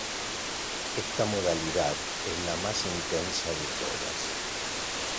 Esta modalidad es la más intensa de todas.